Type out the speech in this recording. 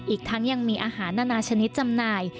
อีกทั้งยังมีอาหารนานาชนิดจำหน่าย